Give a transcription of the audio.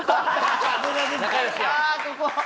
ああここ！